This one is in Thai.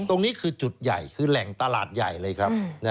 ตรงนี้คือจุดใหญ่คือแหล่งตลาดใหญ่เลยครับ